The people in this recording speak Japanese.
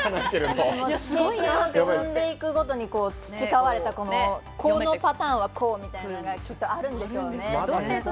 経験を積んでいくごとに培われたこのパターンはこうみたいなのがあるんでしょうね。